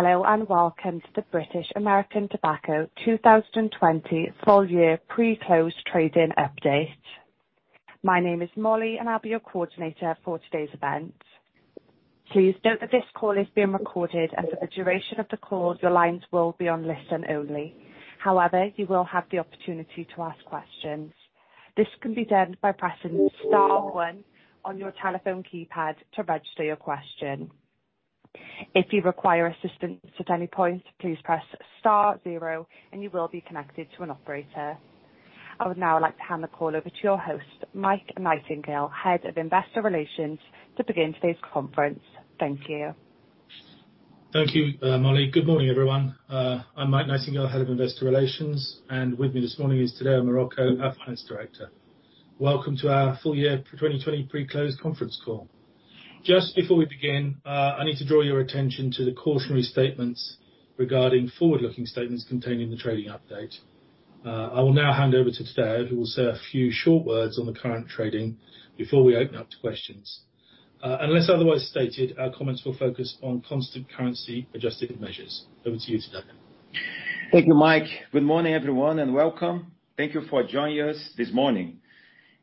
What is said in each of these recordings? Hello, and welcome to the British American Tobacco 2020 full year pre-close trading update. My name is Molly, and I'll be your coordinator for today's event. Please note that this call is being recorded, and for the duration of the call, your lines will be on listen-only. However, you will have the opportunity to ask questions. This can be done by pressing star one on your telephone keypad to register your question. If you require assistance at any point, please press star zero and you will be connected to an operator. I would now like to hand the call over to your host, Mike Nightingale, Head of Investor Relations, to begin today's conference. Thank you. Thank you, Molly. Good morning, everyone. I'm Mike Nightingale, Head of Investor Relations, and with me this morning is Tadeu Marroco, our Finance Director. Welcome to our full year 2020 pre-close conference call. Just before we begin, I need to draw your attention to the cautionary statements regarding forward-looking statements contained in the trading update. I will now hand over to Tadeu, who will say a few short words on the current trading before we open up to questions. Unless otherwise stated, our comments will focus on constant currency adjusted measures. Over to you, Tadeu. Thank you, Mike. Good morning, everyone, and welcome. Thank you for joining us this morning.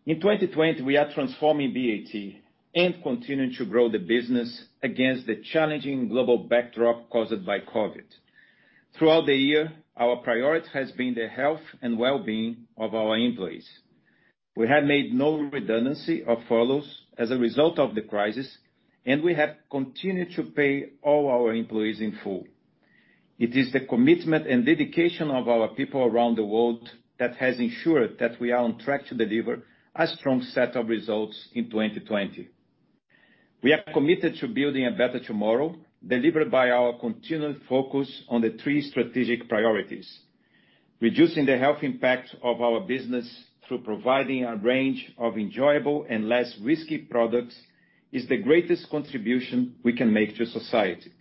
In 2020, we are transforming BAT and continuing to grow the business against the challenging global backdrop caused by COVID. Throughout the year, our priority has been the health and well-being of our employees. We have made no redundancy or furloughs as a result of the crisis, and we have continued to pay all our employees in full. It is the commitment and dedication of our people around the world that has ensured that we are on track to deliver a strong set of results in 2020. We are committed to building A Better Tomorrow, delivered by our continued focus on the three strategic priorities. Reducing the health impact of our business through providing a range of enjoyable and less risky products is the greatest contribution we can make to society.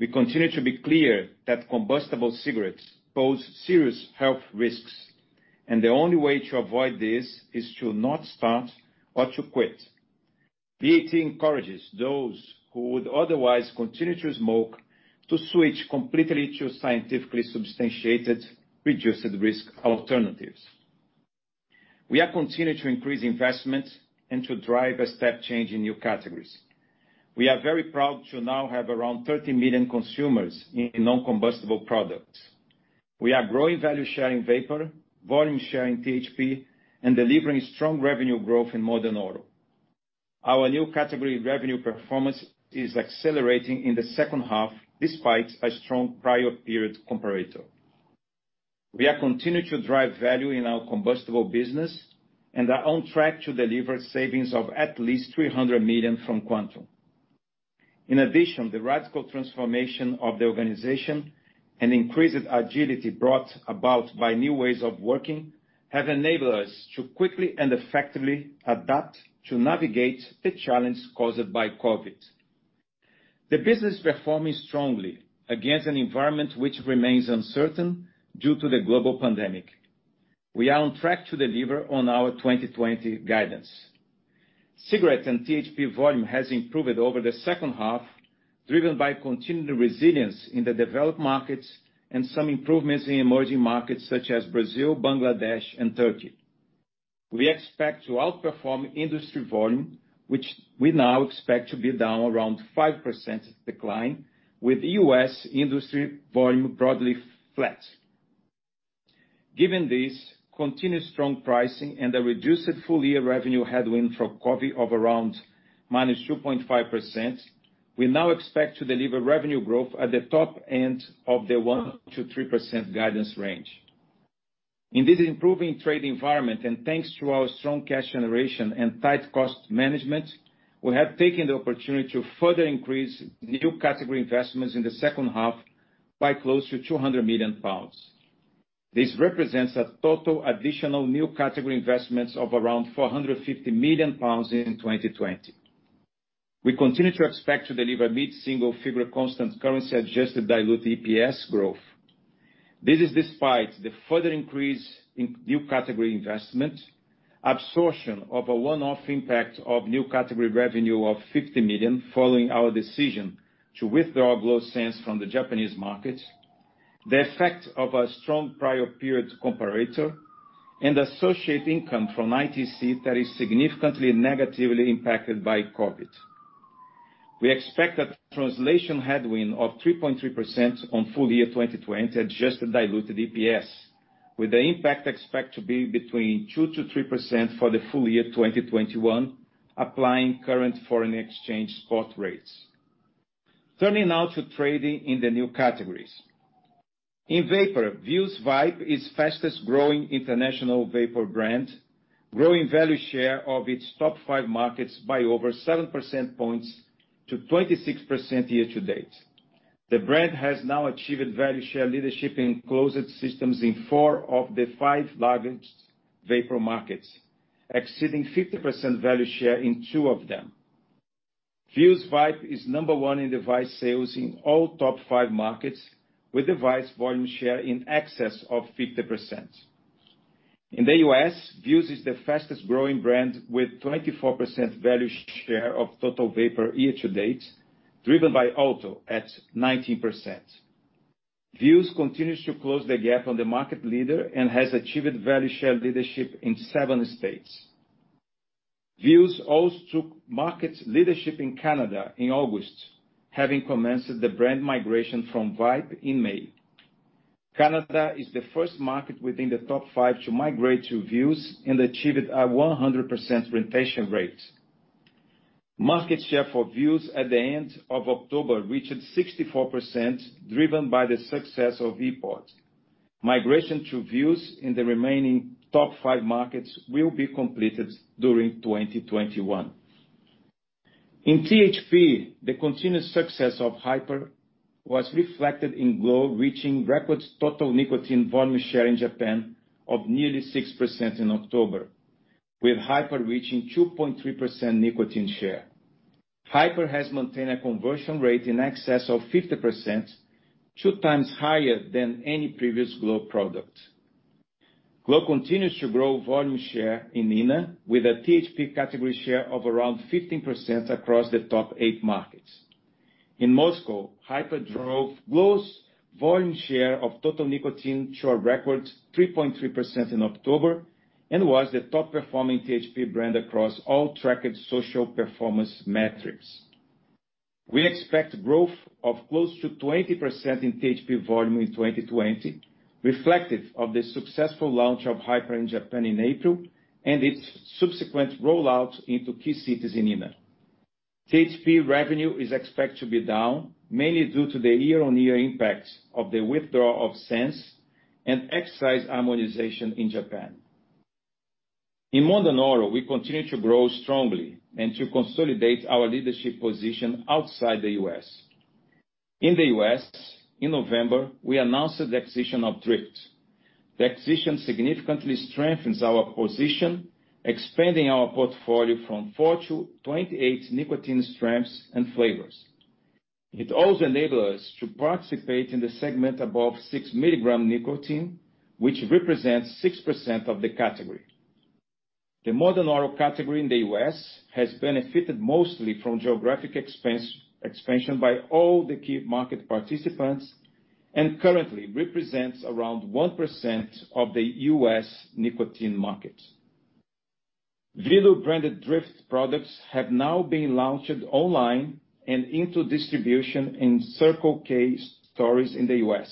We continue to be clear that combustible cigarettes pose serious health risks, and the only way to avoid this is to not start or to quit. BAT encourages those who would otherwise continue to smoke to switch completely to scientifically substantiated reduced risk alternatives. We are continuing to increase investments and to drive a step change in New Categories. We are very proud to now have around 30 million consumers in non-combustible products. We are growing value share in Vapour, volume share in THP, and delivering strong revenue growth in Modern Oral. Our New Category revenue performance is accelerating in the second half despite a strong prior period comparator. We are continuing to drive value in our Combustible business and are on track to deliver savings of at least 300 million from Quantum. In addition, the radical transformation of the organization and increased agility brought about by new ways of working, have enabled us to quickly and effectively adapt to navigate the challenge caused by COVID. The business performing strongly against an environment which remains uncertain due to the global pandemic. We are on track to deliver on our 2020 guidance. Cigarette and THP volume has improved over the second half, driven by continued resilience in the developed markets and some improvements in emerging markets such as Brazil, Bangladesh and Turkey. We expect to outperform industry volume, which we now expect to be down around 5% decline, with U.S. industry volume broadly flat. Given this continued strong pricing and a reduced full-year revenue headwind from COVID of around -2.5%, we now expect to deliver revenue growth at the top end of the 1%-3% guidance range. In this improving trading environment, and thanks to our strong cash generation and tight cost management, we have taken the opportunity to further increase New Category investments in the second half by close to 200 million pounds. This represents a total additional New Category investments of around 450 million pounds in 2020. We continue to expect to deliver mid-single figure constant currency adjusted diluted EPS growth. This is despite the further increase in New Category investment, absorption of a one-off impact of New Category revenue of 50 million following our decision to withdraw glo Sens from the Japanese market, the effect of a strong prior period comparator, and associate income from ITC that is significantly negatively impacted by COVID. We expect a translation headwind of 3.3% on full year 2020 adjusted diluted EPS, with the impact expected to be between 2%-3% for the full year 2021, applying current foreign exchange spot rates. Turning now to trading in the New Categories. In Vapour, Vuse/Vype is fastest growing international vapour brand, growing value share of its top five markets by over 7 percentage points to 26% year-to-date. The brand has now achieved value share leadership in closed systems in four of the five largest vapour markets, exceeding 50% value share in two of them. Vuse/Vype is number one in device sales in all top five markets, with device volume share in excess of 50%. In the U.S., Vuse is the fastest growing brand with 24% value share of total vapour year-to-date, driven by Alto at 19%. Vuse continues to close the gap on the market leader and has achieved value share leadership in seven states. Vuse also took market leadership in Canada in August, having commenced the brand migration from Vype in May. Canada is the first market within the top five to migrate to Vuse and achieved a 100% retention rate. Market share for Vuse at the end of October reached 64%, driven by the success of ePod. Migration to Vuse in the remaining top five markets will be completed during 2021. In THP, the continuous success of Hyper was reflected in glo reaching record total nicotine volume share in Japan of nearly 6% in October, with Hyper reaching 2.3% nicotine share. Hyper has maintained a conversion rate in excess of 50%, 2x higher than any previous glo product. Glo continues to grow volume share in ENA with a THP category share of around 15% across the top eight markets. In Moscow, Hyper drove glo's volume share of total nicotine to a record 3.3% in October and was the top performing THP brand across all tracked social performance metrics. We expect growth of close to 20% in THP volume in 2020, reflective of the successful launch of Hyper in Japan in April and its subsequent rollout into key cities in ENA. THP revenue is expected to be down, mainly due to the year-on-year impact of the withdrawal of Sens and excise harmonization in Japan. In Modern Oral, we continue to grow strongly and to consolidate our leadership position outside the U.S. In the U.S., in November, we announced the acquisition of Dryft. The acquisition significantly strengthens our position, expanding our portfolio from 4 to 28 nicotine strengths and flavors. It also enable us to participate in the segment above 6 mg nicotine, which represents 6% of the category. The Modern Oral category in the U.S. has benefited mostly from geographic expansion by all the key market participants and currently represents around 1% of the U.S. nicotine market. Velo-branded Dryft products have now been launched online and into distribution in Circle K stores in the U.S.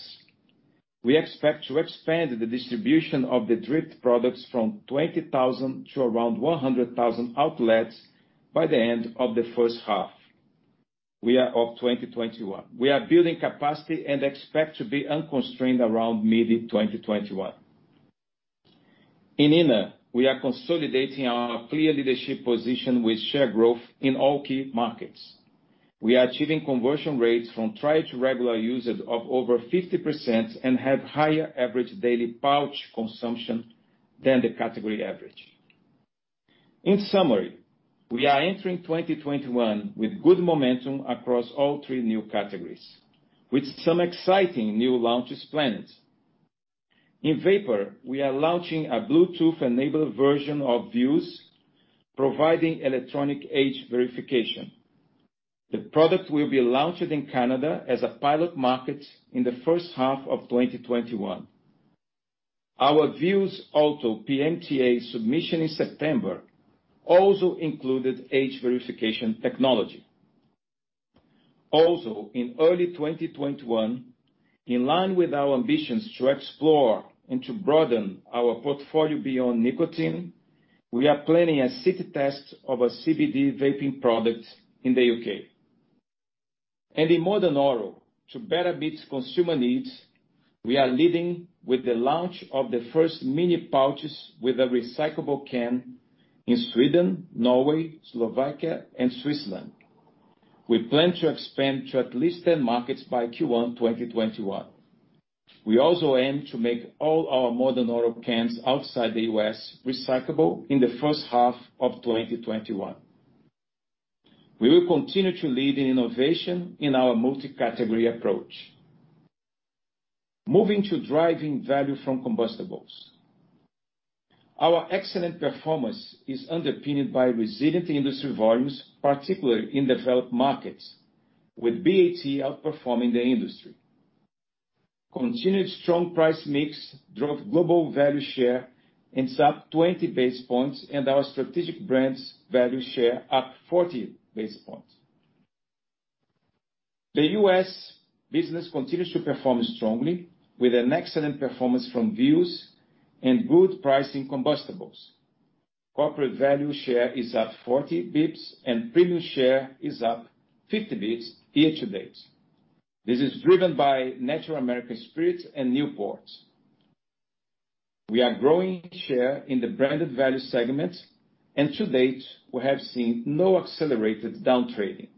We expect to expand the distribution of the Dryft products from 20,000 to around 100,000 outlets by the end of the first half of 2021. We are building capacity and expect to be unconstrained around mid-2021. In ENA, we are consolidating our clear leadership position with share growth in all key markets. We are achieving conversion rates from trial to regular users of over 50% and have higher average daily pouch consumption than the category average. In summary, we are entering 2021 with good momentum across all three New Categories with some exciting new launches planned. In Vapour, we are launching a Bluetooth-enabled version of Vuse providing electronic age verification. The product will be launched in Canada as a pilot market in the first half of 2021. Our Vuse Alto PMTA submission in September also included age verification technology. In early 2021, in line with our ambitions to explore and to broaden our portfolio beyond nicotine, we are planning a city test of a CBD vaping product in the U.K. In Modern Oral, to better meet consumer needs, we are leading with the launch of the first mini pouches with a recyclable can in Sweden, Norway, Slovakia and Switzerland. We plan to expand to at least 10 markets by Q1 2021. We also aim to make all our modern oral cans outside the U.S. recyclable in the first half of 2021. We will continue to lead in innovation in our multi-category approach. Moving to driving value from Combustibles. Our excellent performance is underpinned by resilient industry volumes, particularly in developed markets, with BAT outperforming the industry. Continued strong price mix drove global value share and is up 20 basis points, and our strategic brands' value share up 40 basis points. The U.S. business continues to perform strongly with an excellent performance from Vuse and good price in Combustibles. Corporate value share is up 40 bps and premium share is up 50 bps year-to-date. This is driven by Natural American Spirit and Newport. We are growing share in the branded value segment and to date, we have seen no accelerated downtrading.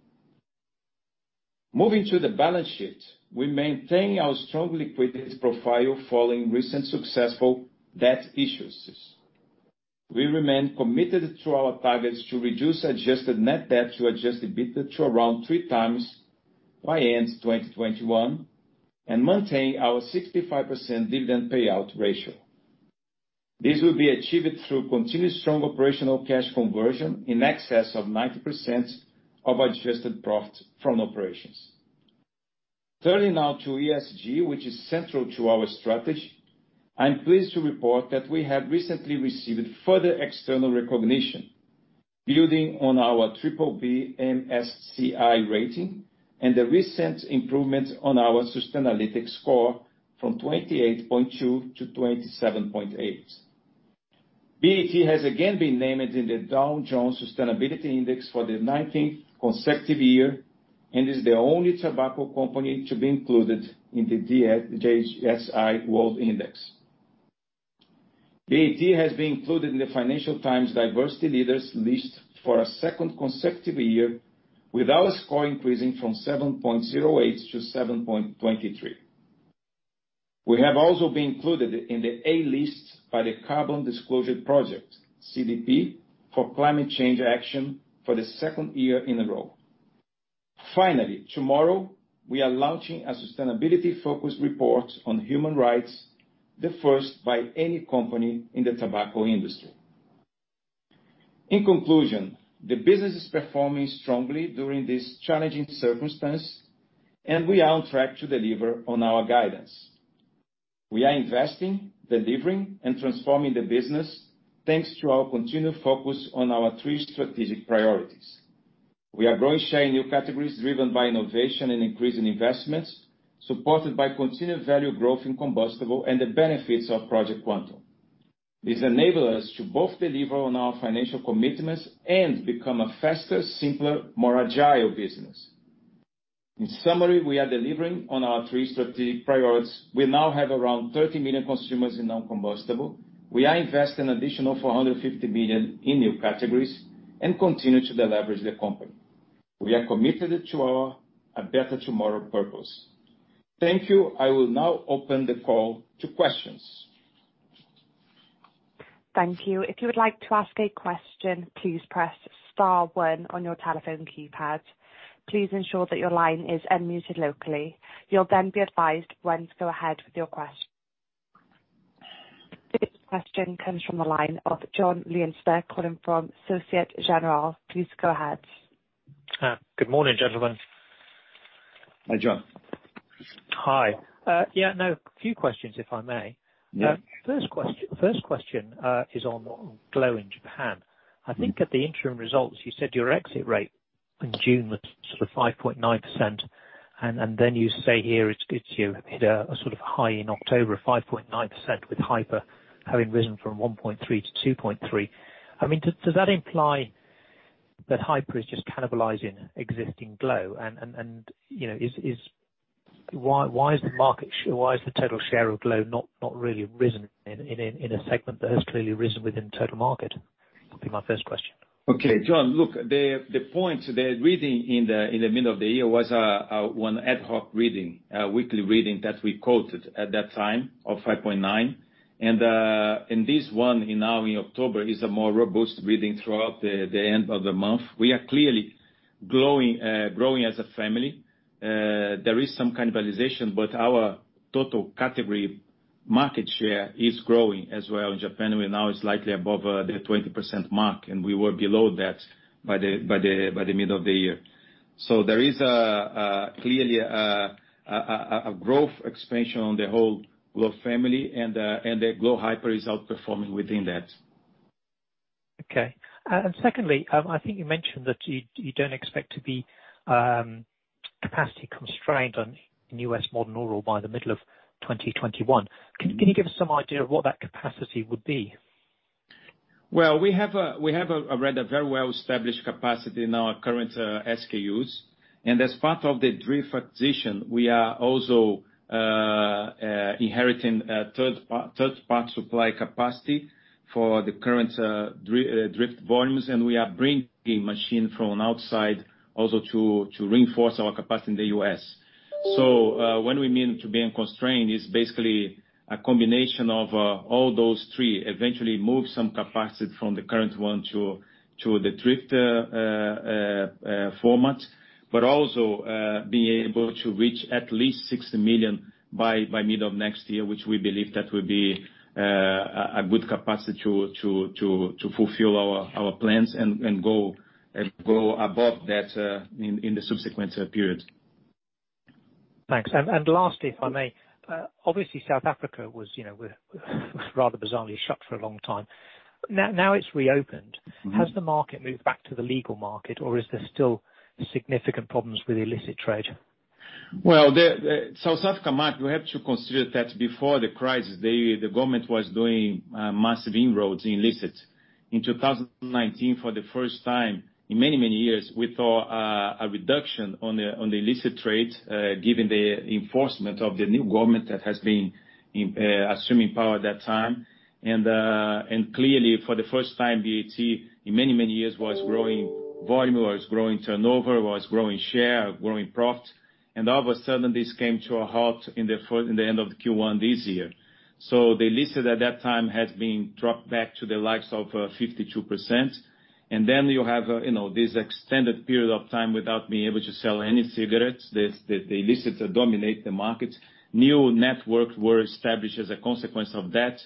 Moving to the balance sheet. We maintain our strong liquidity profile following recent successful debt issues. We remain committed to our targets to reduce adjusted net debt to adjusted EBITDA to around 3x by end 2021, and maintain our 65% dividend payout ratio. This will be achieved through continued strong operational cash conversion in excess of 90% of adjusted profit from operations. Turning now to ESG, which is central to our strategy. I'm pleased to report that we have recently received further external recognition, building on our BBB MSCI rating and the recent improvements on our Sustainalytics score from 28.2 to 27.8. BAT has again been named in the Dow Jones Sustainability Index for the 19th consecutive year, and is the only tobacco company to be included in the DJSI World Index. BAT has been included in the Financial Times Diversity Leaders list for a second consecutive year, with our score increasing from 7.08 to 7.23. We have also been included in the A list by the Carbon Disclosure Project, CDP, for climate change action for the second year in a row. Finally, tomorrow, we are launching a sustainability focus report on human rights, the first by any company in the tobacco industry. In conclusion, the business is performing strongly during this challenging circumstance, and we are on track to deliver on our guidance. We are investing, delivering, and transforming the business, thanks to our continued focus on our three strategic priorities. We are growing share in New Categories driven by innovation and increase in investments, supported by continued value growth in Combustible and the benefits of Project Quantum. This enable us to both deliver on our financial commitments and become a faster, simpler, more agile business. In summary, we are delivering on our three strategic priorities. We now have around 30 million consumers in non-combustible. We are investing an additional 450 million in New Categories and continue to deleverage the company. We are committed to our A Better Tomorrow purpose. Thank you. I will now open the call to questions. Thank you. If you would like to ask a question, please press star one on your telephone keypad. Please ensure that your line is unmuted locally. You'll then be advised when to go ahead with your question. This question comes from the line of John Lienster calling from Societe Generale. Please go ahead. Good morning, gentlemen. Hi, John. Hi. Yeah, a few questions, if I may. Yeah. First question is on glo in Japan. I think at the interim results, you said your exit rate in June was sort of 5.9%, and then you say here it hit a sort of high in October of 5.9% with Hyper, having risen from 1.3% to 2.3%. Does that imply that Hyper is just cannibalizing existing glo? Why is the total share of glo not really risen in a segment that has clearly risen within the total market? Would be my first question. Okay. John, look, the point, the reading in the middle of the year was one ad hoc reading, a weekly reading that we quoted at that time of 5.9%. This one now in October is a more robust reading throughout the end of the month. We are clearly growing as a family. There is some cannibalization. Our total category market share is growing as well in Japan, where now is likely above the 20% mark. We were below that by the middle of the year. There is clearly a growth expansion on the whole glo family. The glo Hyper is outperforming within that. Okay. Secondly, I think you mentioned that you don't expect to be capacity constrained in U.S. Modern Oral by the middle of 2021. Can you give us some idea of what that capacity would be? We have already a very well-established capacity in our current SKUs, and as part of the Dryft acquisition, we are also inheriting third-party supply capacity for the current Dryft volumes, and we are bringing machine from outside also to reinforce our capacity in the U.S. When we mean to be unconstrained, it's basically a combination of all those three. Eventually move some capacity from the current one to the Dryft format, but also being able to reach at least 60 million by mid of next year, which we believe that will be a good capacity to fulfill our plans and go above that in the subsequent periods. Thanks. Lastly, if I may, obviously South Africa was rather bizarrely shut for a long time. Now it's reopened. Has the market moved back to the legal market, or is there still significant problems with illicit trade? Well, the South Africa market, you have to consider that before the crisis, the government was doing massive inroads in illicit. In 2019, for the first time in many years, we saw a reduction on the illicit trade, given the enforcement of the new government that has been assuming power at that time. Clearly, for the first time, BAT in many years was growing volume, was growing turnover, was growing share, growing profit. All of a sudden, this came to a halt in the end of Q1 this year. The illicit at that time has been dropped back to the likes of 52%. Then you have this extended period of time without being able to sell any cigarettes. The illicit dominate the market. New network were established as a consequence of that.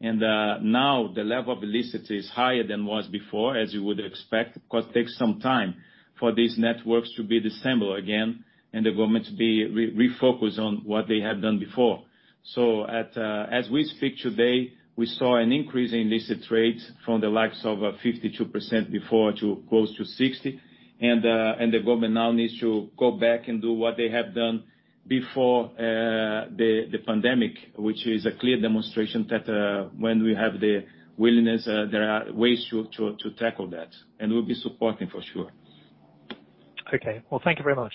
Now the level of illicit is higher than was before, as you would expect, because it takes some time for these networks to be disassembled again and the government to be refocused on what they had done before. As we speak today, we saw an increase in illicit trade from the likes of 52% before to close to 60%. The government now needs to go back and do what they have done before the pandemic, which is a clear demonstration that when we have the willingness, there are ways to tackle that. We'll be supporting for sure. Okay. Well, thank you very much.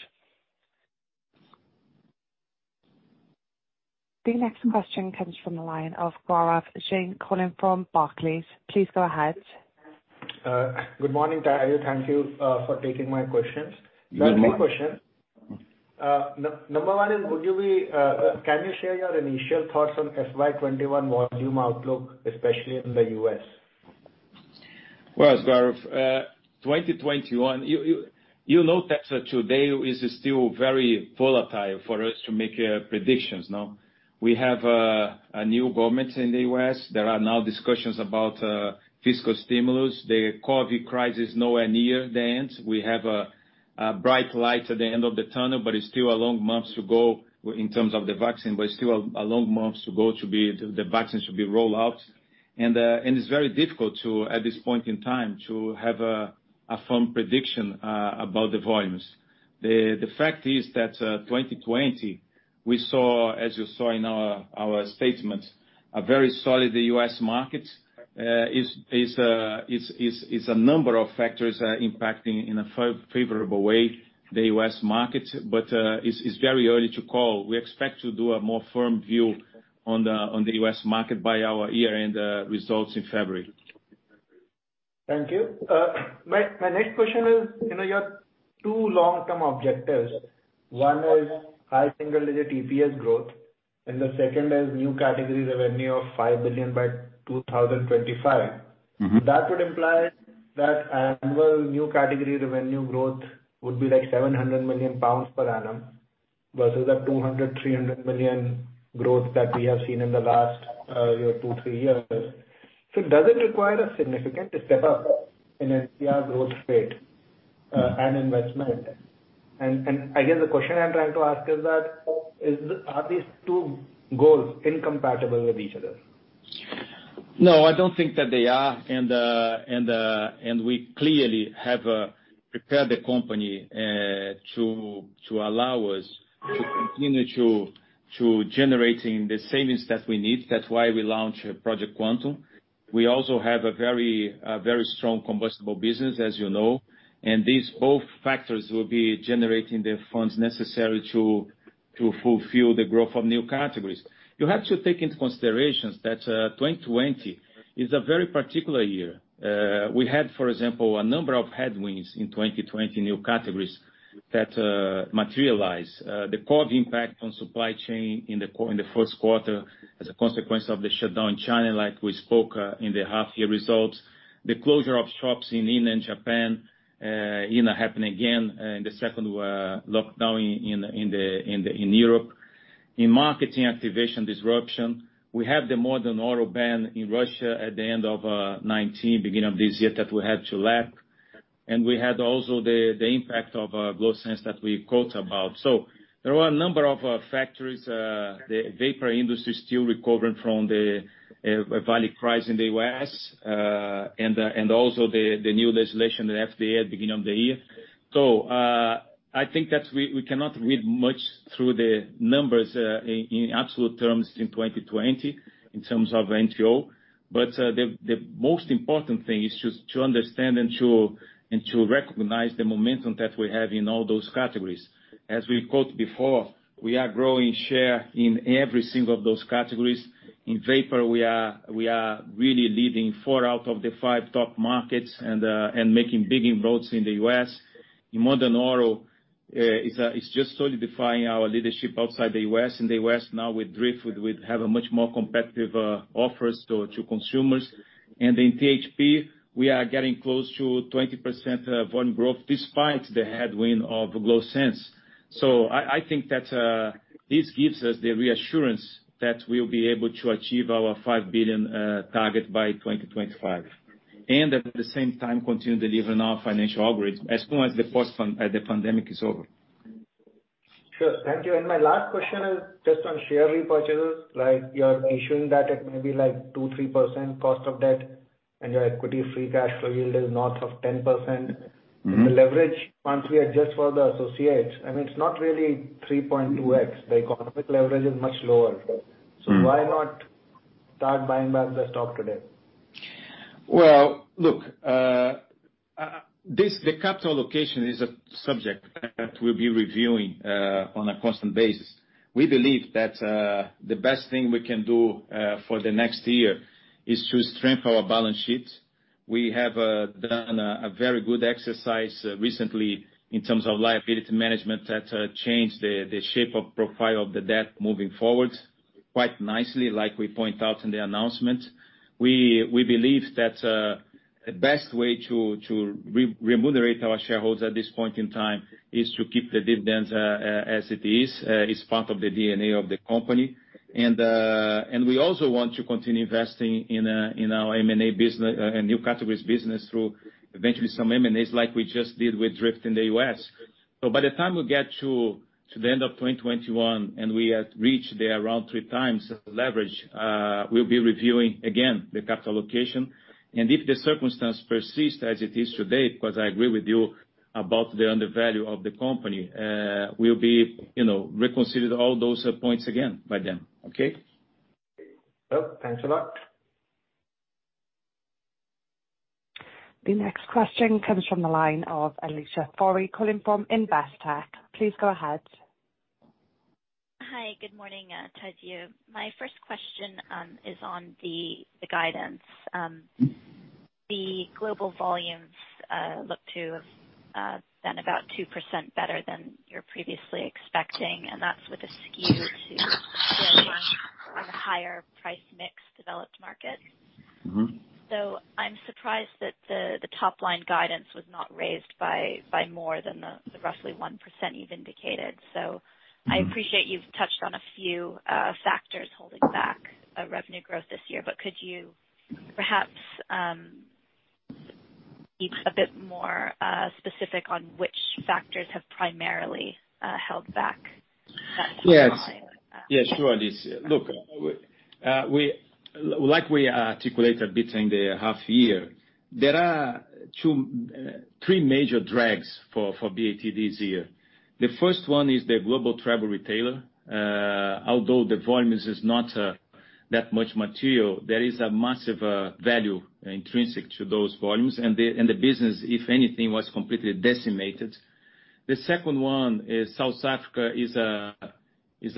The next question comes from the line of Gaurav Jain calling from Barclays. Please go ahead. Good morning, Tadeu. Thank you for taking my questions. Good morning. Two questions. Number one is, can you share your initial thoughts on FY 2021 volume outlook, especially in the U.S.? Well, Gaurav, 2021, you know that today is still very volatile for us to make predictions now. We have a new government in the U.S. There are now discussions about fiscal stimulus. The COVID crisis nowhere near the end. We have a bright light at the end of the tunnel, but it's still a long months to go the vaccine to be rolled out. It's very difficult, at this point in time, to have a firm prediction about the volumes. The fact is that 2020, as you saw in our statements, a very solid U.S. market. It's a number of factors impacting in a favorable way the U.S. market, but it's very early to call. We expect to do a more firm view on the U.S. market by our year-end results in February. Thank you. My next question is, your two long-term objectives. One is high single-digit EPS growth, and the second is New Categories revenue of $5 billion by 2025. That would imply that annual New Category revenue growth would be like 700 million pounds per annum versus the 200 million-300 million growth that we have seen in the last two, three years. Does it require a significant step up in NCR growth rate and investment? I guess the question I'm trying to ask is that, are these two goals incompatible with each other? No, I don't think that they are. We clearly have prepared the company to allow us to continue to generating the savings that we need. That's why we launch Project Quantum. We also have a very strong Combustibles business, as you know. These both factors will be generating the funds necessary to fulfill the growth of New Categories. You have to take into considerations that 2020 is a very particular year. We had, for example, a number of headwinds in 2020 New Categories that materialize. The COVID impact on supply chain in the first quarter as a consequence of the shutdown in China, like we spoke in the half-year results. The closure of shops in India and Japan happened again in the second lockdown in Europe. In marketing activation disruption, we have the Modern Oral ban in Russia at the end of 2019, beginning of this year that we had to lap. We had also the impact of glo Sens that we've talked about. There were a number of factors. The Vapour industry is still recovering from the value crisis in the U.S., and also the new legislation, the FDA at beginning of the year. I think that we cannot read much through the numbers in absolute terms in 2020, in terms of. The most important thing is just to understand and to recognize the momentum that we have in all those categories. As we've quoted before, we are growing share in every single of those categories. In Vapour, we are really leading four out of the five top markets and making big inroads in the U.S. In Modern Oral, it's just solidifying our leadership outside the U.S. In the U.S. now with Dryft, we have a much more competitive offers to consumers. In THP, we are getting close to 20% volume growth despite the headwind of glo Sens. I think that this gives us the reassurance that we'll be able to achieve our 5 billion target by 2025. At the same time, continue delivering our financial algorithm as soon as the pandemic is over. Sure. Thank you. My last question is just on share repurchases, like you're issuing that at maybe like 2%, 3% cost of debt, and your equity free cash flow yield is north of 10%. The leverage once we adjust for the associates, I mean, it's not really 3.2x. The economic leverage is much lower. Why not start buying back the stock today? Look, the capital allocation is a subject that we'll be reviewing on a constant basis. We believe that the best thing we can do for the next year is to strengthen our balance sheet. We have done a very good exercise recently in terms of liability management that changed the shape of profile of the debt moving forward quite nicely, like we point out in the announcement. We believe that the best way to remunerate our shareholders at this point in time is to keep the dividends as it is. It's part of the DNA of the company. We also want to continue investing in our M&A business, in New Categories business through eventually some M&As like we just did with Dryft in the U.S. By the time we get to the end of 2021, and we have reached around 3x leverage, we'll be reviewing again the capital allocation, and if the circumstance persists as it is today, because I agree with you about the undervalue of the company, we'll be reconsidering all those points again by then. Okay. Well, thanks a lot. The next question comes from the line of Alicia Forry calling from Investec. Please go ahead. Hi, good morning, Tadeu. My first question is on the guidance. The global volumes look to have been about 2% better than you're previously expecting, and that's with a skew to on the higher price mix developed market. I'm surprised that the top line guidance was not raised by more than the roughly 1% you've indicated. I appreciate you've touched on a few factors holding back revenue growth this year, but could you perhaps be a bit more specific on which factors have primarily held back that top line? Yes. Sure, Alicia. Look, like we articulated between the half year, there are three major drags for BAT this year. The first one is the global travel retailer. Although the volumes is not that much material, there is a massive value intrinsic to those volumes and the business, if anything, was completely decimated. The second one is South Africa is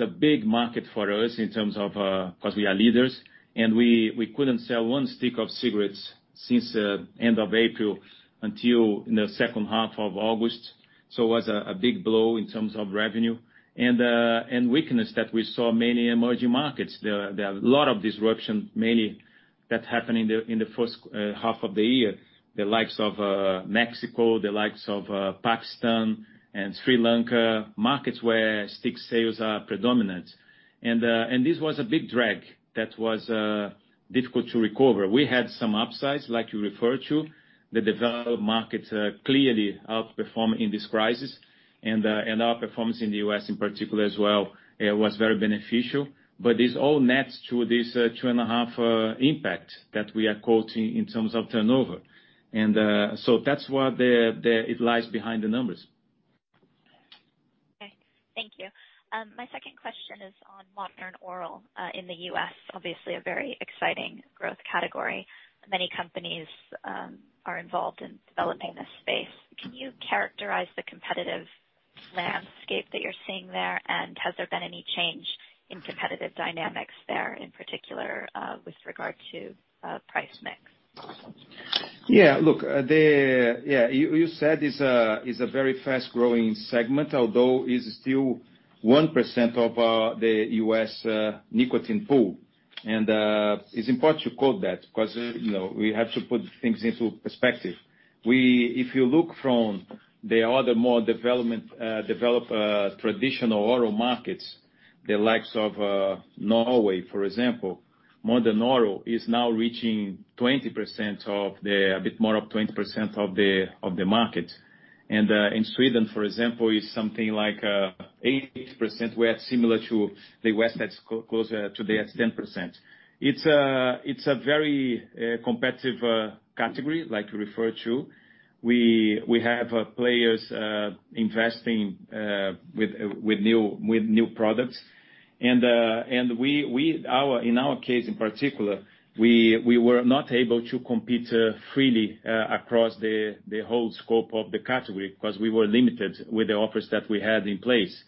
a big market for us because we are leaders, and we couldn't sell one stick of cigarettes since the end of April until the second half of August. It was a big blow in terms of revenue. Weakness that we saw many emerging markets. There are a lot of disruption, mainly that happened in the first half of the year. The likes of Mexico, the likes of Pakistan and Sri Lanka, markets where stick sales are predominant. This was a big drag that was difficult to recover. We had some upsides, like you referred to. The developed markets clearly outperformed in this crisis. Our performance in the U.S. in particular as well, was very beneficial. This all nets to this 2.5% impact that we are quoting in terms of turnover. That's why it lies behind the numbers. Okay. Thank you. My second question is on Modern Oral, in the U.S. Obviously, a very exciting growth category. Many companies are involved in developing this space. Can you characterize the competitive landscape that you're seeing there, and has there been any change in competitive dynamics there, in particular, with regard to price mix? Yeah. You said it's a very fast-growing segment, although it's still 1% of the U.S. nicotine pool. It's important to quote that because we have to put things into perspective. If you look from the other more developed traditional oral markets, the likes of Norway, for example, modern oral is now reaching a bit more of 20% of the market. In Sweden, for example, it's something like 8%, where similar to the West, that's closer to the 10%. It's a very competitive category, like you referred to. We have players investing with new products and in our case, in particular, we were not able to compete freely across the whole scope of the category because we were limited with the offers that we had in place.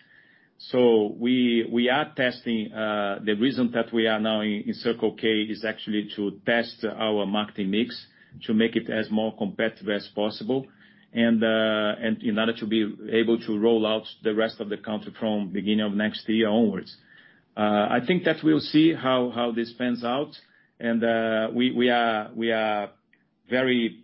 We are testing. The reason that we are now in Circle K is actually to test our marketing mix to make it as more competitive as possible and in order to be able to roll out the rest of the country from beginning of next year onwards. I think that we'll see how this pans out and we are very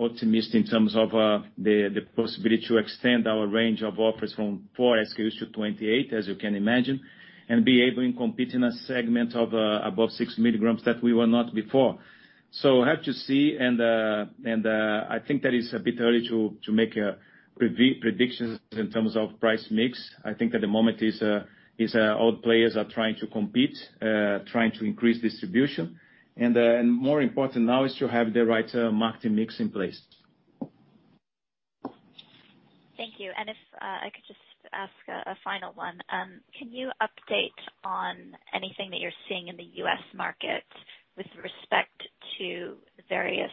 optimistic in terms of the possibility to extend our range of offers from 4 SKUs to 28, as you can imagine, and be able and compete in a segment of above 6 mg that we were not before. Have to see, and I think that it's a bit early to make predictions in terms of price mix. I think at the moment, all players are trying to compete, trying to increase distribution. More important now is to have the right marketing mix in place. Thank you. If I could just ask a final one. Can you update on anything that you're seeing in the U.S. market with respect to various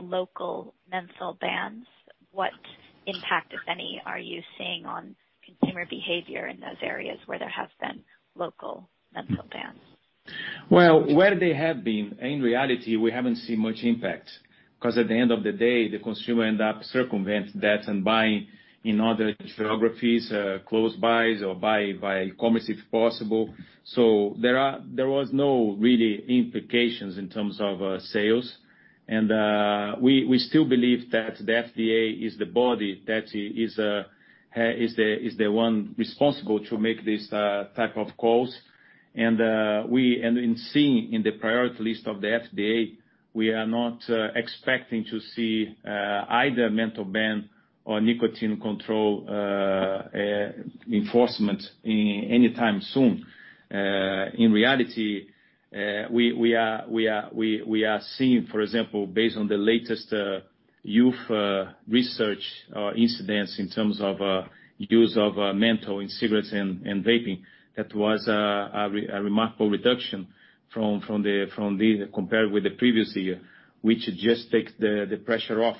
local menthol bans? What impact, if any, are you seeing on consumer behavior in those areas where there have been local menthol bans? Well, where they have been, in reality, we haven't seen much impact, because at the end of the day, the consumer end up circumvent that and buying in other geographies, close by or by e-commerce, if possible. There was no really implications in terms of sales. We still believe that the FDA is the body that is the one responsible to make this type of calls. In seeing in the priority list of the FDA, we are not expecting to see either menthol ban or nicotine control enforcement any time soon. In reality, we are seeing, for example, based on the latest youth research incidence in terms of use of menthol in cigarettes and vaping, that was a remarkable reduction compared with the previous year, which just takes the pressure off.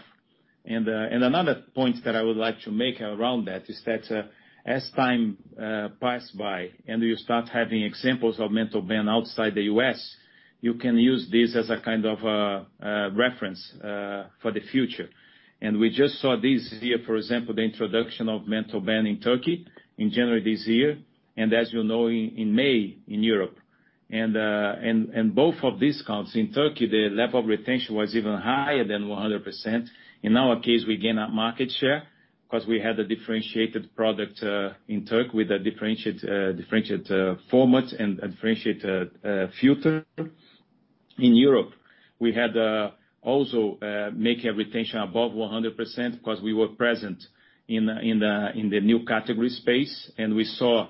Another point that I would like to make around that is that as time passed by and you start having examples of menthol ban outside the U.S., you can use this as a kind of a reference for the future. We just saw this year, for example, the introduction of menthol ban in Turkey in January this year, and as you know, in May in Europe. Both of these countries, in Turkey, the level of retention was even higher than 100%. In our case, we gain that market share because we had a differentiated product in Turkey with a differentiated format and a differentiated filter. In Europe, we had also make a retention above 100% because we were present in the New Category space, and we saw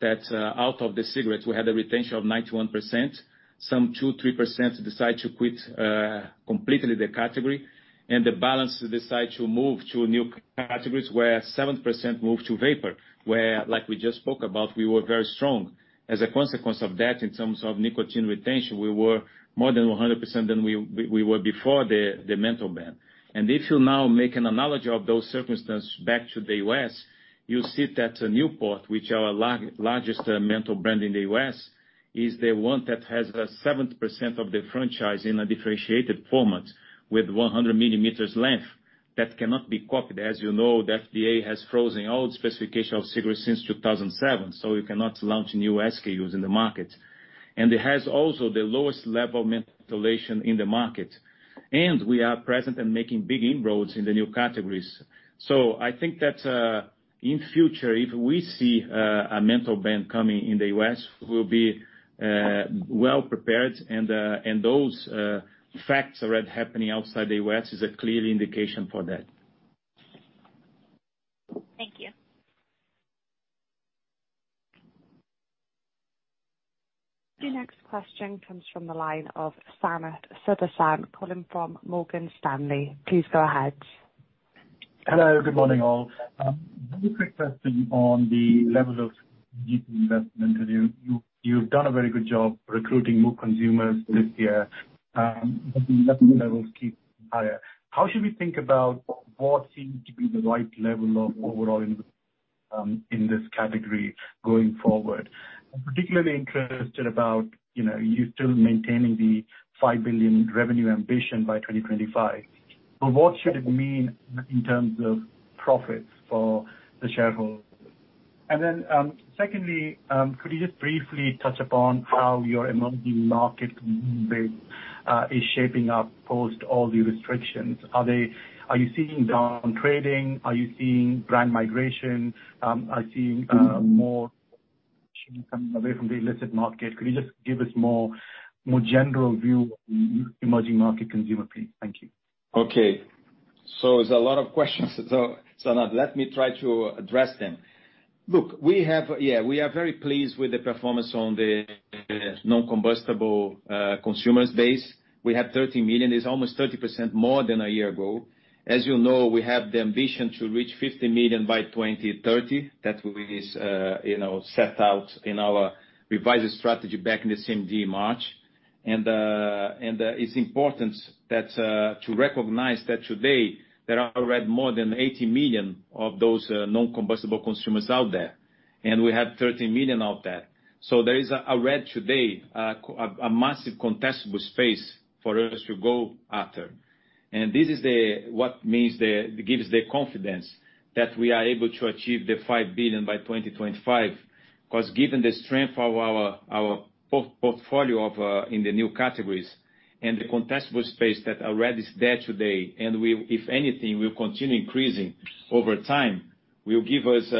that out of the cigarettes, we had a retention of 91%. Some 2%, 3% decide to quit completely the category, the balance decide to move to New Categories, where 7% move to Vapour, where, like we just spoke about, we were very strong. As a consequence of that, in terms of nicotine retention, we were more than 100% than we were before the menthol ban. If you now make an analogy of those circumstances back to the U.S., you see that Newport, which our largest menthol brand in the U.S., is the one that has the 7% of the franchise in a differentiated format with 100 mm length that cannot be copied. As you know, the FDA has frozen all specification of cigarettes since 2007, you cannot launch new SKUs in the market. It has also the lowest level of mentholation in the market. We are present and making big inroads in the New Categories. I think that in future, if we see a menthol ban coming in the U.S., we'll be well-prepared and those facts already happening outside the U.S. is a clear indication for that. Thank you. Your next question comes from the line of Sanath Sudarsan calling from Morgan Stanley. Please go ahead. Hello. Good morning, all. A very quick question on the level of investment. You've done a very good job recruiting new consumers this year, but the level keeps higher. How should we think about what seems to be the right level of overall investment in this category going forward? I'm particularly interested about you still maintaining the 5 billion revenue ambition by 2025. What should it mean in terms of profits for the shareholders? Secondly, could you just briefly touch upon how your emerging market is shaping up post all the restrictions. Are you seeing down-trading? Are you seeing brand migration? Are you seeing more coming away from the illicit market? Could you just give us more general view on emerging market consumer, please? Thank you. Okay. It's a lot of questions, Sanath. Let me try to address them. Look, we are very pleased with the performance on the non-combustibles consumers base. We have 13 million. It's almost 30% more than a year ago. As you know, we have the ambition to reach 50 million by 2030. That we set out in our revised strategy back in the CMD March. It's important to recognize that today there are already more than 80 million of those non-combustibles consumers out there, and we have 13 million of that. There is already today a massive contestable space for us to go after. This is what gives the confidence that we are able to achieve the 5 billion by 2025, because given the strength of our portfolio in the New Categories and the contestable space that already is there today, and if anything, will continue increasing over time, will give us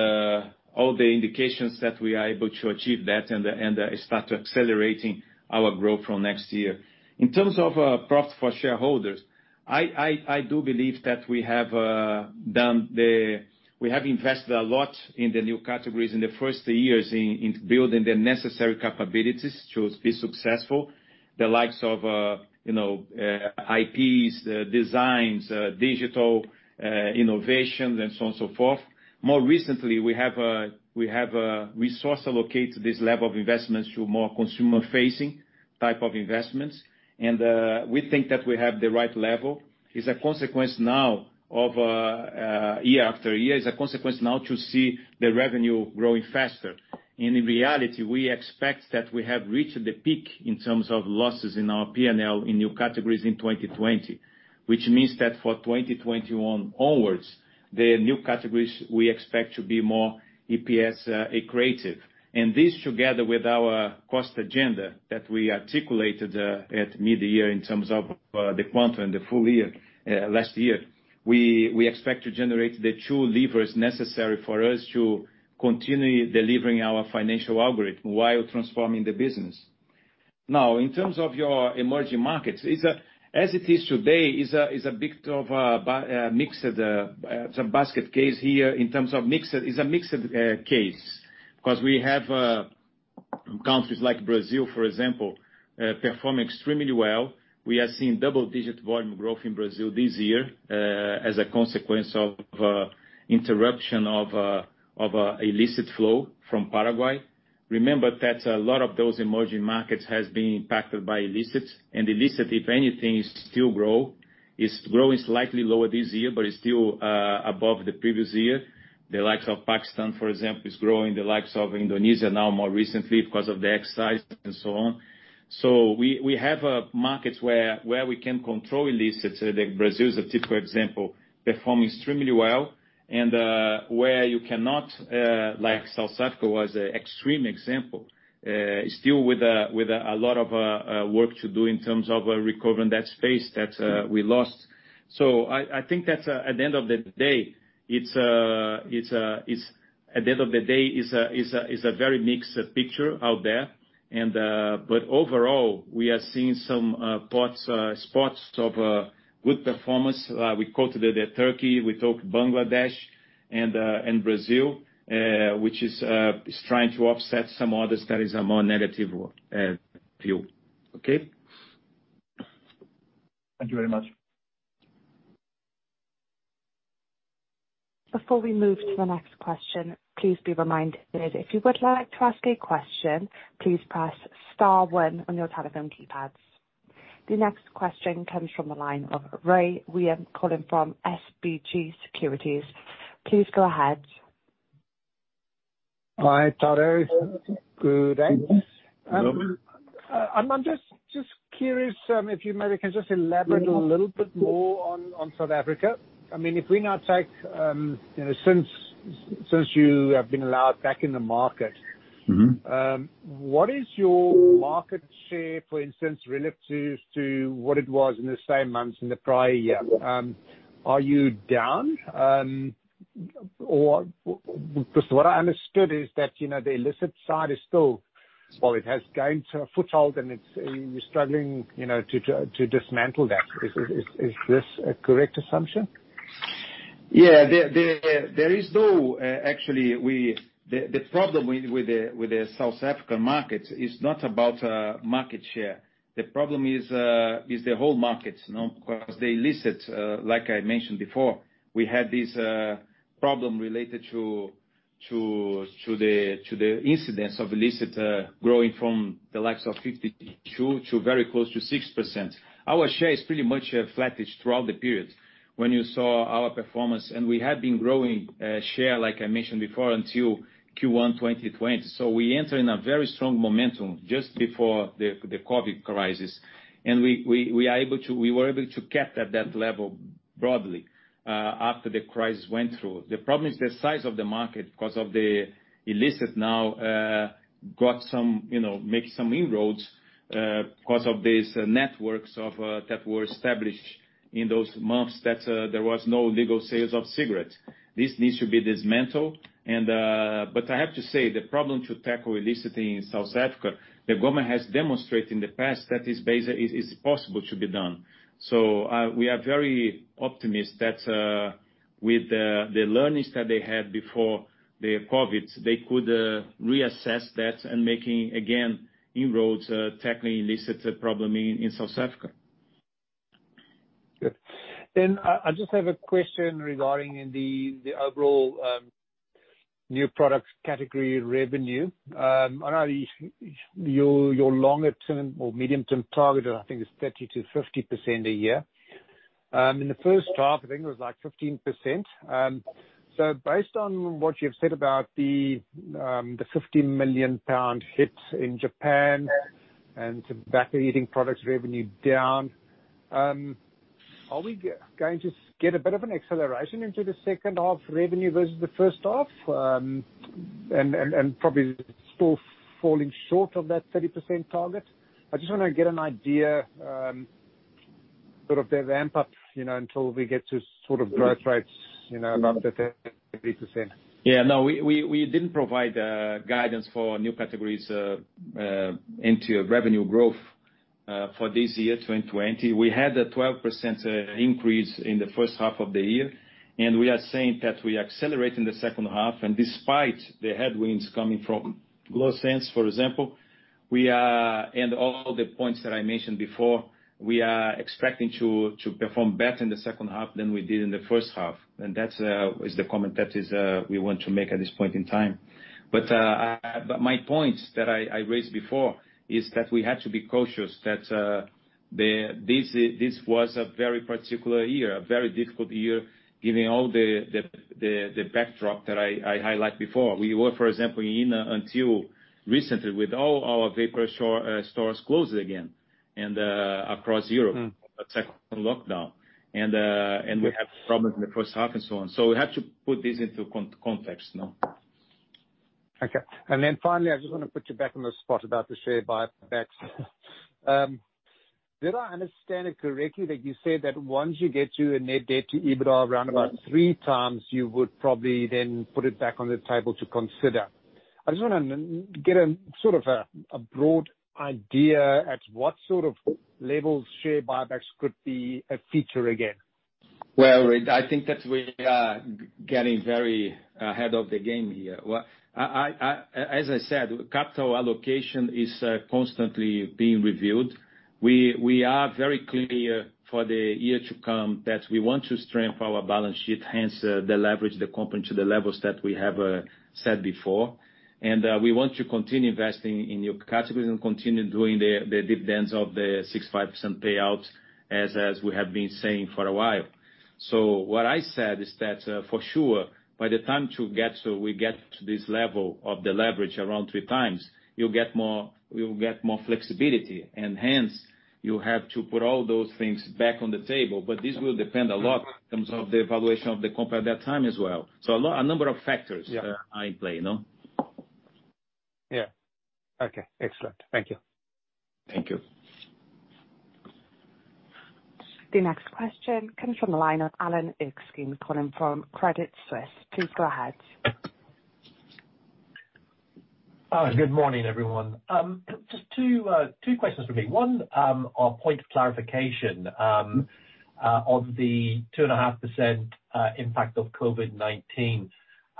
all the indications that we are able to achieve that and start accelerating our growth from next year. In terms of profit for shareholders, I do believe that we have invested a lot in the New Categories in the first years in building the necessary capabilities to be successful, the likes of IPs, designs, digital innovations, and so on and so forth. More recently, we have resource allocate this level of investments to more consumer-facing type of investments. We think that we have the right level. It's a consequence now of year after year, it's a consequence now to see the revenue growing faster. In reality, we expect that we have reached the peak in terms of losses in our P&L in new categories in 2020, which means that for 2021 onwards, the New Categories we expect to be more EPS accretive. This, together with our cost agenda that we articulated at mid-year in terms of the Quantum, the full year, last year, we expect to generate the true levers necessary for us to continue delivering our financial algorithm while transforming the business. In terms of your emerging markets, as it is today, it's a basket case here in terms of mix. It's a mixed case. We have countries like Brazil, for example, performing extremely well. We are seeing double-digit volume growth in Brazil this year as a consequence of interruption of illicit flow from Paraguay. Remember that a lot of those emerging markets has been impacted by illicit, and illicit, if anything, is still grow. It's growing slightly lower this year, it's still above the previous year. The likes of Pakistan, for example, is growing, the likes of Indonesia now more recently because of the excise and so on. We have markets where we can control illicit, Brazil is a typical example, perform extremely well. Where you cannot, like South Africa was an extreme example, still with a lot of work to do in terms of recovering that space that we lost. I think at the end of the day, it's a very mixed picture out there. Overall, we are seeing some spots of good performance. We quoted Turkey, we talked Bangladesh and Brazil, which is trying to offset some others that is a more negative view. Okay? Thank you very much. Before we move to the next question, please be reminded that if you would like to ask a question, please press star one on your telephone keypads. The next question comes from the line of Rey Wium calling from SBG Securities. Please go ahead. Hi, Tadeu. Good day. Hello. I'm just curious if you maybe can just elaborate a little bit more on South Africa. If we now take since you have been allowed back in the market. What is your market share, for instance, relative to what it was in the same months in the prior year? Are you down? What I understood is that the illicit side, well, it has gained a foothold, and you're struggling to dismantle that. Is this a correct assumption? Yeah. The problem with the South African market is not about market share. The problem is the whole market because the illicit, like I mentioned before, we had this problem related to the incidence of illicit growing from the likes of 52% to very close to 60%. Our share is pretty much flattish throughout the period when you saw our performance, and we had been growing share, like I mentioned before, until Q1 2020. We enter in a very strong momentum just before the COVID crisis, and we were able to cap at that level broadly after the crisis went through. The problem is the size of the market because of the illicit now make some inroads because of these networks that were established in those months that there was no legal sales of cigarettes. This needs to be dismantled. I have to say, the problem to tackle illicit in South Africa, the government has demonstrated in the past that it's possible to be done. We are very optimist that with the learnings that they had before the COVID, they could reassess that and making again inroads tackling illicit problem in South Africa. Good. I just have a question regarding the overall New Categories revenue. I know your longer term or medium-term target, I think it's 30%-50% a year. In the first half, I think it was 15%. Based on what you've said about the 50 million pound hit in Japan and heated tobacco products revenue down, are we going to get a bit of an acceleration into the second half revenue versus the first half? Probably still falling short of that 30% target. I just want to get an idea, sort of the ramp up, until we get to growth rates, about 30%. Yeah, no, we didn't provide guidance for New Categories into revenue growth. For this year, 2020, we had a 12% increase in the first half of the year, we are saying that we accelerate in the second half. Despite the headwinds coming from glo Sens, for example, and all the points that I mentioned before, we are expecting to perform better in the second half than we did in the first half. That is the comment that we want to make at this point in time. My point that I raised before is that we had to be cautious that this was a very particular year, a very difficult year, giving all the backdrop that I highlighted before. We were, for example, in until recently with all our Vapour stores closed again and across Europe. A second lockdown. We have problems in the first half and so on. We have to put this into context now. Okay. Finally, I just want to put you back on the spot about the share buybacks. Did I understand it correctly that you said that once you get to a net debt to EBITDA around about 3x, you would probably then put it back on the table to consider? I just want to get a broad idea at what sort of levels share buybacks could be a feature again. Well, I think that we are getting very ahead of the game here. As I said, capital allocation is constantly being reviewed. We are very clear for the year to come that we want to strengthen our balance sheet, hence the leverage the company to the levels that we have said before. We want to continue investing in New Categories and continue doing the dividends of the 65% payouts as we have been saying for a while. What I said is that, for sure, by the time we get to this level of the leverage around 3x, we will get more flexibility, and hence you have to put all those things back on the table. This will depend a lot in terms of the evaluation of the company at that time as well. A number of factors. Yeah. Are in play now. Yeah. Okay, excellent. Thank you. Thank you. The next question comes from the line of Alan Erskine calling from Credit Suisse. Please go ahead. Hi. Good morning, everyone. Just two questions for me. One, a point of clarification on the 2.5% impact of COVID-19.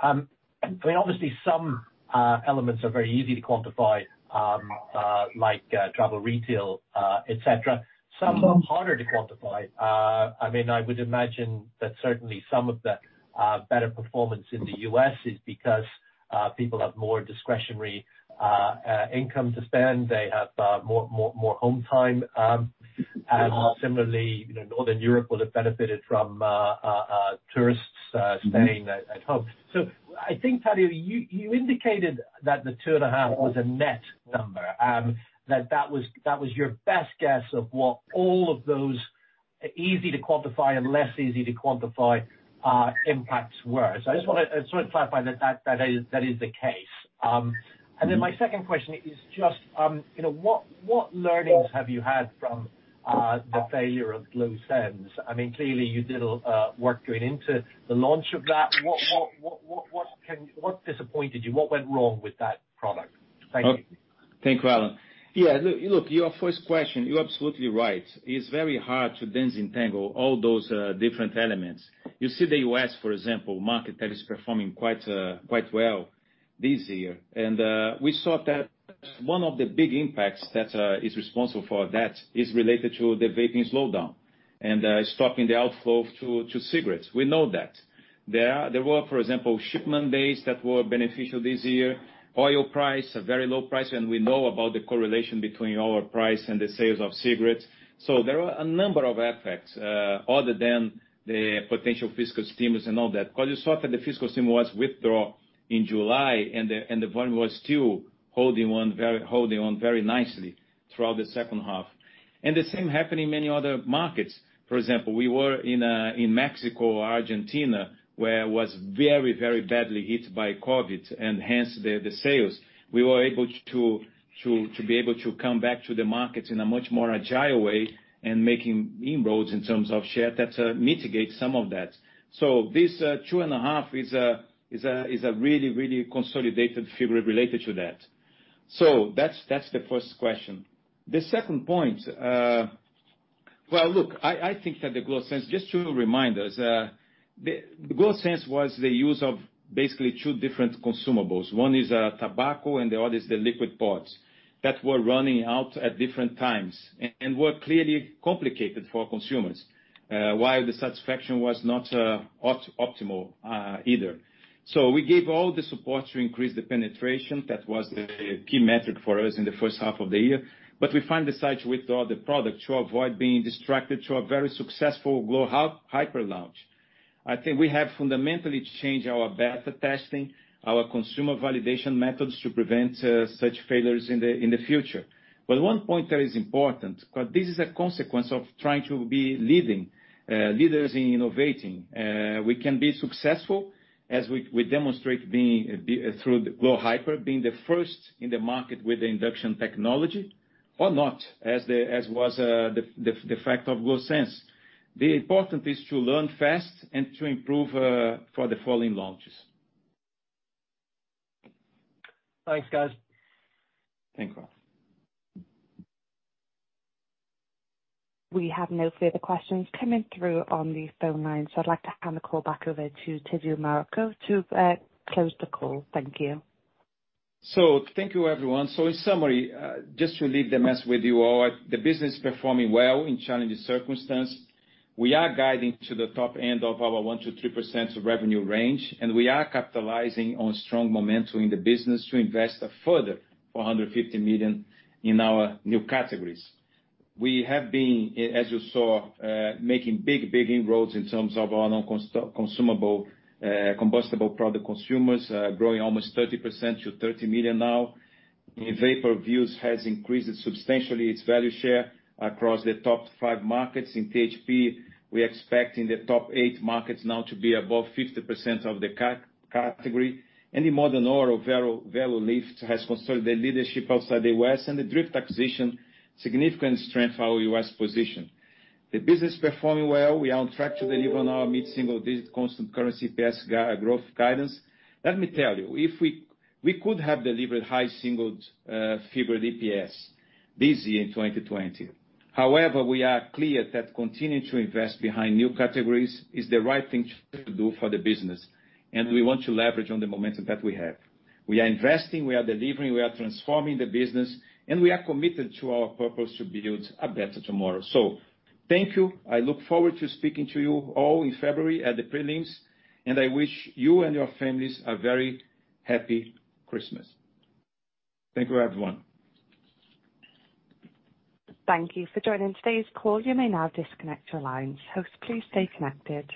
Obviously, some elements are very easy to quantify, like travel, retail, et cetera. Some are harder to quantify. I would imagine that certainly some of the better performance in the U.S. is because people have more discretionary income to spend. They have more home time. Similarly, Northern Europe will have benefited from tourists staying at home. I think, Tadeu, you indicated that the 2.5% was a net number, that was your best guess of what all of those easy to quantify and less easy to quantify impacts were. I just want to clarify that is the case. My second question is just, what learnings have you had from the failure of glo Sens? Clearly you did a work going into the launch of that. What disappointed you? What went wrong with that product? Thank you. Thank you, Alan. Yeah, look, your first question, you're absolutely right. It's very hard to disentangle all those different elements. You see the U.S., for example, market that is performing quite well this year. We saw that one of the big impacts that is responsible for that is related to the vaping slowdown and stopping the outflow to cigarettes. We know that. There were, for example, shipment days that were beneficial this year, oil price, a very low price, and we know about the correlation between oil price and the sales of cigarettes. There are a number of effects other than the potential fiscal stimulus and all that, because you saw that the fiscal stimulus withdraw in July, and the volume was still holding on very nicely throughout the second half. The same happened in many other markets. For example, we were in Mexico, Argentina, where it was very badly hit by COVID, and hence the sales. We were able to come back to the market in a much more agile way and making inroads in terms of share that mitigate some of that. This 2.5% is a really consolidated figure related to that. That's the first question. The second point, well, look, I think that the glo Sens, just to remind us, the glo Sens was the use of basically two different consumables. One is tobacco and the other is the liquid pods that were running out at different times and were clearly complicated for consumers. While the satisfaction was not optimal either. We gave all the support to increase the penetration. That was the key metric for us in the first half of the year. We finally decided to withdraw the product to avoid being distracted to a very successful glo Hyper launch. I think we have fundamentally changed our beta testing, our consumer validation methods to prevent such failures in the future. One point that is important, because this is a consequence of trying to be leaders in innovating. We can be successful, as we demonstrate through the glo Hyper being the first in the market with the induction technology, or not, as was the fact of glo Sens. The important is to learn fast and to improve for the following launches. Thanks, guys. Thanks you. We have no further questions coming through on the phone lines, so I'd like to hand the call back over to Tadeu Marroco to close the call. Thank you. Thank you, everyone. In summary, just to leave the message with you all, the business is performing well in challenging circumstances. We are guiding to the top end of our 1%-3% revenue range, and we are capitalizing on strong momentum in the business to invest a further 450 million in our New Categories. We have been, as you saw, making big inroads in terms of our non-combustibles product consumers, growing almost 30% to 30 million now. In Vapour, Vuse has increased substantially its value share across the top five markets. In THP, we're expecting the top eight markets now to be above 50% of the category. In Modern Oral, Velo Lyft has consolidated their leadership outside the U.S., and the Dryft acquisition, significant strength to our U.S. position. The business is performing well. We are on track to deliver on our mid-single digit constant currency EPS growth guidance. Let me tell you, we could have delivered high single figure EPS this year in 2020. We are clear that continuing to invest behind New Categories is the right thing to do for the business, and we want to leverage on the momentum that we have. We are investing, we are delivering, we are transforming the business, and we are committed to our purpose to build A Better Tomorrow. Thank you. I look forward to speaking to you all in February at the prelims, and I wish you and your families a very happy Christmas. Thank you, everyone. Thank you for joining today's call. You may now disconnect your lines. Hosts, please stay connected.